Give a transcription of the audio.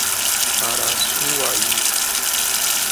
Araçuaí